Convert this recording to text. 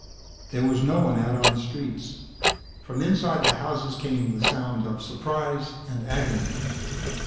There was no one out on the streets. From inside the houses came the sound of surprise and agony.